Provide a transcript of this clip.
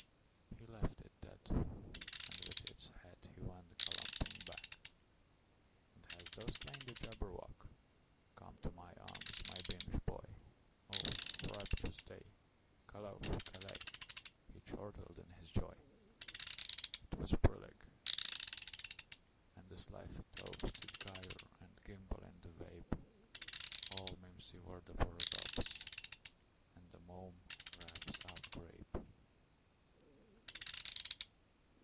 He left it dead, and with its headHe went galumphing back."And hast thou slain the Jabberwock? Come to my arms, my beamish boy!O frabjous day! Callooh! Callay!"He chortled in his joy.'T was brillig, and the slithy tovesDid gyre and gimble in the wabe; All mimsy were the borogoves, And the mome raths outgrabe.